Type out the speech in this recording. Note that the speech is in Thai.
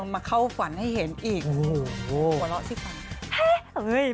มาเข้าฝันให้เห็นหัวเราะที่ฝันน่ะ